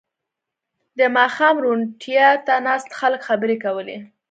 • د ماښام روڼتیا ته ناست خلک خبرې کولې.